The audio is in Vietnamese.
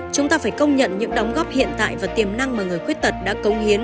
chúng ta phải công nhận những đóng góp hiện tại và tiềm năng mà người khuyết tật đã cống hiến